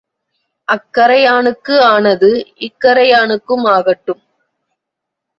அக்கரையானுக்கு ஆனது இக்கரையானுக்கும் ஆகட்டும்.